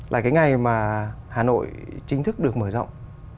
là cái ngày mà hà nội chính thức được mở rộng